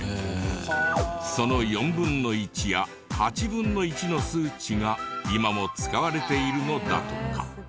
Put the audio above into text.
その４分の１や８分の１の数値が今も使われているのだとか。